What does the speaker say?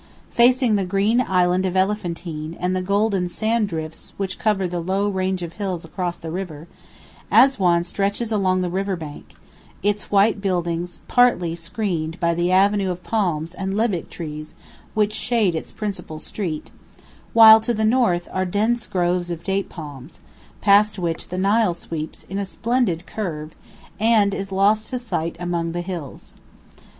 Facing the green island of Elephantine and the golden sand drifts which cover the low range of hills across the river, Assuan stretches along the river bank, its white buildings partly screened by the avenue of palms and lebbek trees which shade its principal street, while to the north are dense groves of date palms, past which the Nile sweeps in a splendid curve and is lost to sight among the hills.